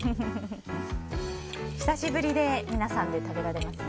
久しぶりで皆さんで食べられますね。